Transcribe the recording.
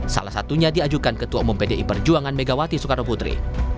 salah satunya diajukan ketua umum pdi perjuangan megawati soekarno putri